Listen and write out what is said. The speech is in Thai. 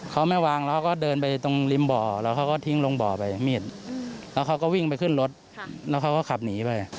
เขาไม่วางแล้วก็เดินไปตรงริมบ่อแล้วเขาก็ทิ้งลงบ่อไปมีดแล้วเขาก็วิ่งไปขึ้นรถแล้วเขาก็ขับหนีไป